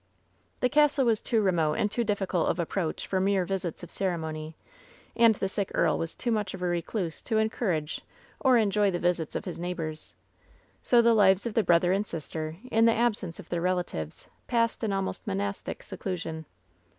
The castle was too remote and too difficult of approach for mere visits of ceremony ; and the sick earl was too much of a recluse to encourage or enjoy the visits of his neighbors. So the lives of the brother and sister, in the absence of their relatives, passed in almost monastic seclusion.